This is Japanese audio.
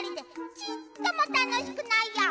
ちっともたのしくないや！